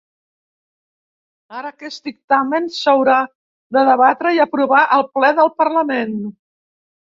Ara, aquest dictamen s’haurà de debatre i aprovar al ple del parlament.